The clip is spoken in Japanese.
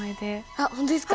あっ本当ですか？